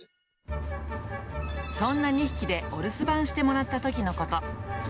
そんな２匹でお留守番してもらったときのこと。